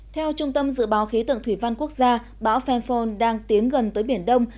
theo trung tâm dự báo khí tượng thủy văn quốc gia bão phenphon đang tiến gần tới biển đông